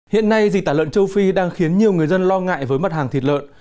hiện nay dịch tả lợn châu phi đang khiến nhiều người dân lo ngại với mặt hàng thịt lợn